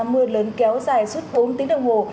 mưa lớn kéo dài suốt bốn tiếng đồng hồ